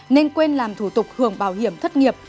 nên quên làm thủ tục hưởng bảo hiểm thất nghiệp